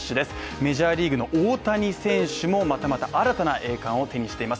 メジャーリーグの大谷選手もまたまた新たな栄冠を手にしています。